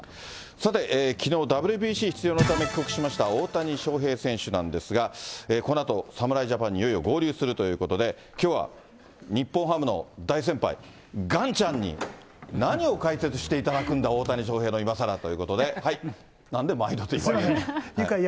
さて、きのうＷＢＣ出場のため帰国しました大谷翔平選手なんですが、このあと、侍ジャパンにいよいよ合流するということで、きょうは日本ハムの大先輩、岩ちゃんに、何を解説していただくんだ、大谷翔平の今さらということで、なんで毎度って。